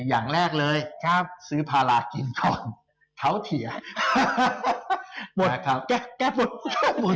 อย่างแรกเลยซื้อพารากินก่อนเขาเถียแก้บหัว